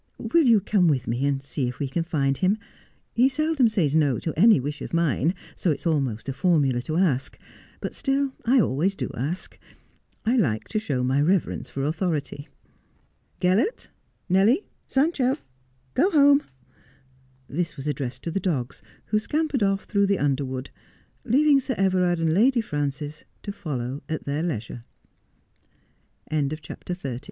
Will you come with me and see if we can find him 1 He seldom says no to any wish of mine — so it's almost a formula to ask — but still I always do ask. [ like to show my reverence for authority. Gellert — Nellie — Sancho — go home.' This was addressed to the dogs, who scampered off through the underwood, leaving Sir Everard and Lady Frances to follow at their leisure.